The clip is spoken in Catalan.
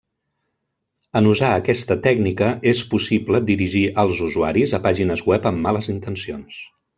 En usar aquesta tècnica és possible dirigir als usuaris a pàgines web amb males intencions.